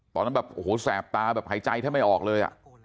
ตอนนั้นแบบโอ้โหแสบตาแบบหายใจแทบไม่ออกเลย